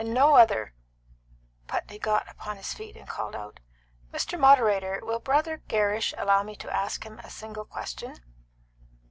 In no other " Putney got upon his feet and called out, "Mr. Moderator, will Brother Gerrish allow me to ask him a single question?"